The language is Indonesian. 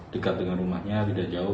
dekat dengan rumahnya tidak jauh